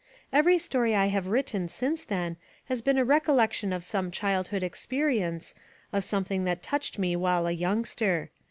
'Every story I have written since then has been a recollection of some childhood experience, of some thing that touched me while a youngster.